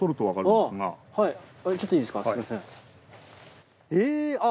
はい。